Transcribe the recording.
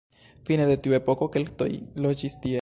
Fine de tiu epoko keltoj loĝis tie.